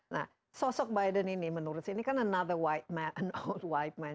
nah sosok biden ini menurut saya ini kan another white man an old white man